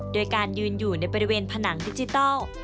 โดยการยืนอยู่ในบริเวณผนังดิจิทัล